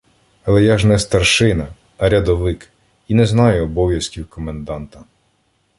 — Але я ж не старшина, а рядовик, і не знаю обов’язків коменданта.